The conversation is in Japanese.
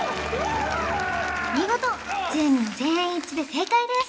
見事１０人全員一致で正解です